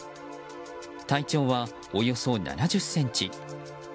体長は、およそ７０ｃｍ。